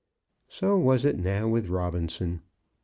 So was it now with Robinson.